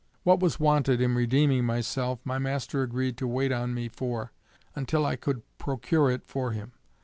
What was wanted in redeeming myself, my master agreed to wait on me for, until I could procure it for him.